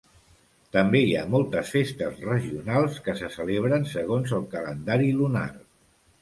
També hi ha moltes festes regionals que se celebren segons el calendari lunar.